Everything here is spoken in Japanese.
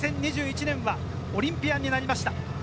２０２１年はオリンピアになりました。